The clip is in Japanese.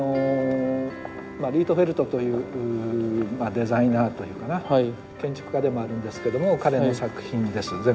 リートフェルトというデザイナーというかな建築家でもあるんですけども彼の作品です。